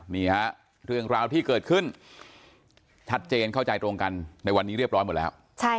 นี่ฮะเรื่องราวที่เกิดขึ้นชัดเจนเข้าใจตรงกันในวันนี้เรียบร้อยหมดแล้ว